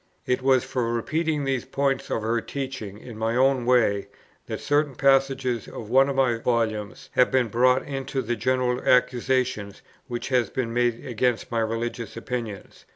It was for repeating these points of her teaching in my own way, that certain passages of one of my Volumes have been brought into the general accusation which has been made against my religious opinions.